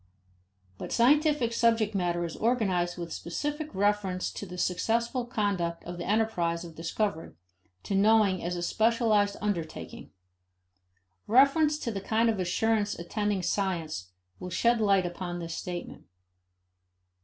But scientific subject matter is organized with specific reference to the successful conduct of the enterprise of discovery, to knowing as a specialized undertaking. Reference to the kind of assurance attending science will shed light upon this statement.